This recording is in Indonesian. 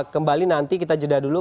kembali nanti kita jeda dulu